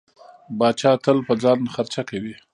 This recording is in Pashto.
پاچا تل په ځان خرچه کوي.